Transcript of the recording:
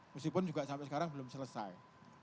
meskipun juga sampai sekarang belum selesai